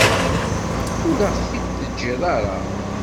Ur aɣ-t-id-teǧǧiḍ ara.